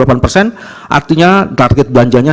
artinya target belanja nya